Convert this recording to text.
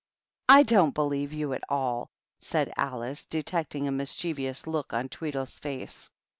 " I don't believe you at all," said Alice, detect ing a mischievous look on Tweedle's face.